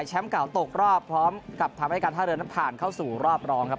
ให้การท่าเดินผ่านเข้าสู่รอบรองครับ